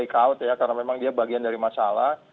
itu take out ya karena memang dia bagian dari masalah